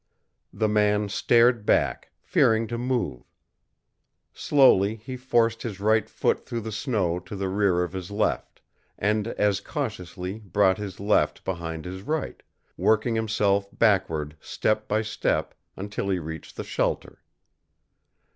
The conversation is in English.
The man stared back, fearing to move. Slowly he forced his right foot through the snow to the rear of his left, and as cautiously brought his left behind his right, working himself backward step by step until he reached the shelter.